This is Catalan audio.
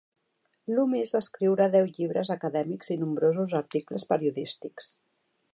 Loomis va escriure deu llibres acadèmics i nombrosos articles periodístics.